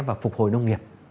vào phục hồi nông nghiệp